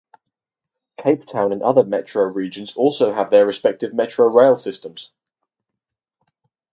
Cape Town and other metro regions also have their respective Metrorail systems.